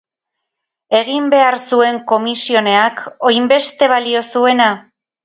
Egin behar zuen komisioneak, hoinbeste balio zuena?